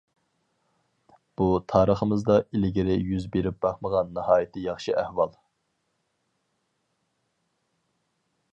بۇ، تارىخىمىزدا ئىلگىرى يۈز بېرىپ باقمىغان ناھايىتى ياخشى ئەھۋال.